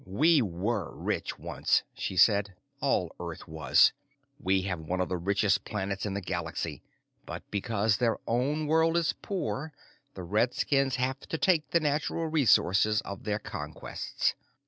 "We were rich once," she said. "All Earth was. We have one of the richest planets in the Galaxy. But because their own world is poor, the redskins have to take the natural resources of their conquests.